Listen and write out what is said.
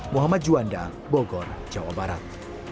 muhammad juanda bogor jawa barat